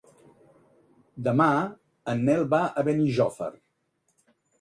Demà en Nel va a Benijòfar.